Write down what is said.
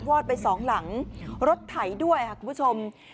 อดไปสองหลังรถไถด้วยค่ะคุณผู้ชม